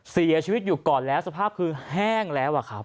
เสียชีวิตอยู่ก่อนแล้วสภาพคือแห้งแล้วอะครับ